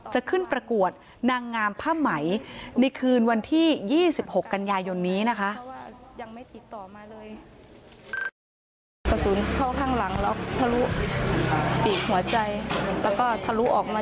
จะขึ้นประกวดนางงามผ้าไหมในคืนวันที่๒๖กันยายนนี้นะคะ